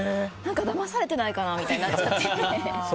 だまされてないかな、みたいな。